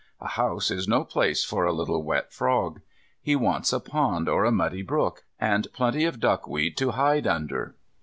A house is no place for a little wet frog. He wants a pond or a muddy brook, and plenty of duckweed to hide under.